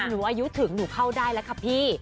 หนูอายุถึงหนูเข้าได้แล้วค่ะพี่